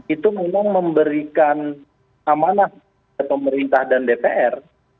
itu memang memberikan amanah ke pemerintah dan dpr